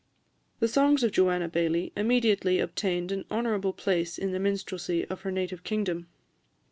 The songs of Joanna Baillie immediately obtained an honourable place in the minstrelsy of her native kingdom.